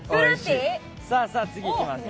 さあさあ、次いきますよ。